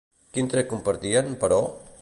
Quin tret compartien, però?